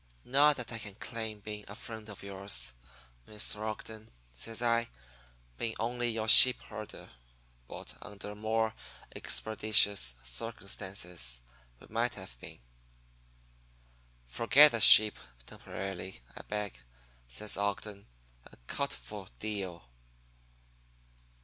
Not that I can claim being a friend of yours, Mr. Ogden,' says I, 'being only your sheep herder; but under more expeditious circumstances we might have been.' "'Forget the sheep temporarily, I beg,' says Ogden, 'and cut for deal.'